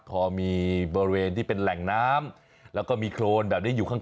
พอมีบริเวณที่เป็นแหล่งน้ำแล้วก็มีโครนแบบนี้อยู่ข้าง